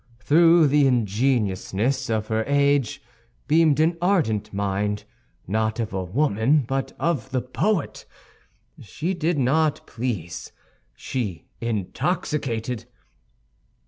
Through the ingenuousness of her age beamed an ardent mind, not of the woman, but of the poet. She did not please; she intoxicated.